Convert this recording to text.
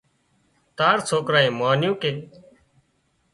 تار سوڪرانئي مانيُون ڪي